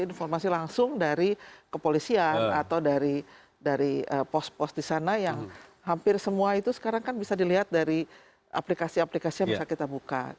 informasi langsung dari kepolisian atau dari pos pos di sana yang hampir semua itu sekarang kan bisa dilihat dari aplikasi aplikasi yang bisa kita buka